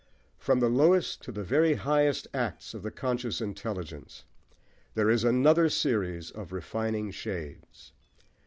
From the lowest to the very highest acts of the conscious intelligence, there is another series of refining shades.